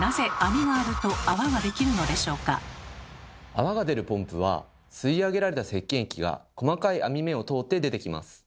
では泡が出るポンプは吸い上げられたせっけん液が細かい網目を通って出てきます。